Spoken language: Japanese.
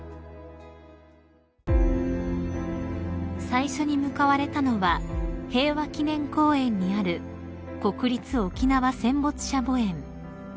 ［最初に向かわれたのは平和祈念公園にある国立沖縄戦没者墓苑］